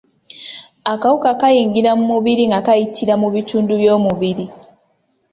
Akawuka kayingira mu mubiri nga kayitira mu bitundu by’omubiri.